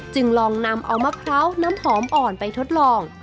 ลองนำเอามะพร้าวน้ำหอมอ่อนไปทดลอง